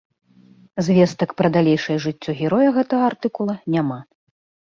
Звестак пра далейшае жыццё героя гэтага артыкула няма.